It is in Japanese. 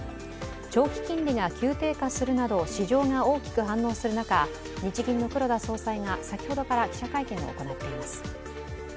長期金利が急低下するなど、市場が大きく反応する中、日銀の黒田総裁が先ほどから記者会見を行っています。